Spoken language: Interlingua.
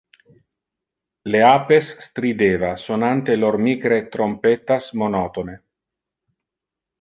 Le apes strideva, sonante lor micre trompettas monotone.